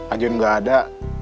ajun gak ada